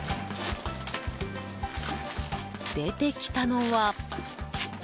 出てきたのは。